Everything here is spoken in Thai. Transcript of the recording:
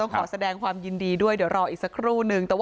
ขอแสดงความยินดีด้วยเดี๋ยวรออีกสักครู่นึง